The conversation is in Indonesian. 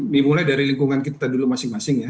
dimulai dari lingkungan kita dulu masing masing ya